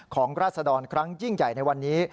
ราศดรครั้งยิ่งใหญ่ในวันนี้